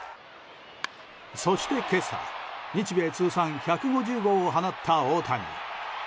そして今朝日米通算１５０号を放った大谷。